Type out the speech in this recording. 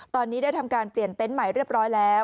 ตอนนี้ได้ทำการเปลี่ยนเต็นต์ใหม่เรียบร้อยแล้ว